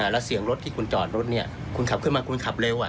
แล้วเสียงรถที่คุณจอดรถคุณขับขึ้นมาคุณขับเร็ว